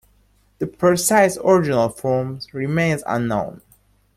The precise original form remains unknown.